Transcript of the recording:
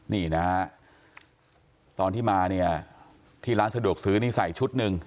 นี่นะฮะตอนที่มาเนี่ยที่ร้านสะดวกซื้อนี่ใส่ชุดหนึ่ง